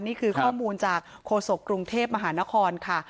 นี่คือข้อมูลจากโฆษกรุงเทพมหานครค่ะ